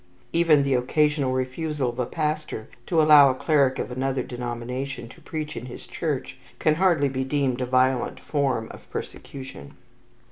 Even the occasional refusal of a pastor to allow a cleric of another denomination to preach in his church, can hardly be deemed a violent form of persecution.